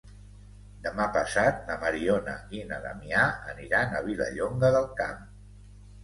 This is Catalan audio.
Demà passat na Mariona i na Damià aniran a Vilallonga del Camp.